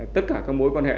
tất cả các mối quan hệ